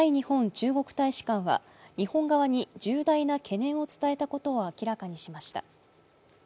中国大使館は日本側に重大な懸念を伝えたことを明らかにしました。